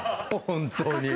本当に。